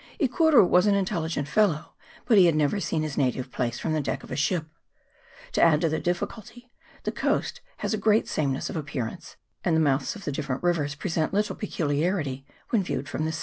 E Kuru was an intelligent fellow, but had never seen his native place from the deck of a ship. To add to the difficulty, the coast has a great sameness of ap pearance, and the mouths of the different rivers present little peculiarity when viewed from the sea.